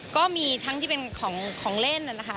ก็มีทั้งที่เป็นของเล่นนะคะ